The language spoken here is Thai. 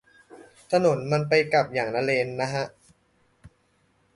ถนนมันไปกลับอย่างละเลนนะฮะ